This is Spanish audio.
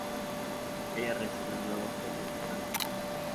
Ella recibió nuevos poderes mutantes.